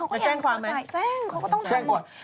แล้วแจ้งความไหมแจ้งเขาก็ต้องทำหมดแจ้งความ